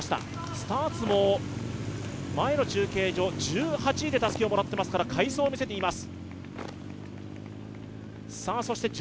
スターツも前の中継所、１８位でたすきをもらっていますから快走を見せています。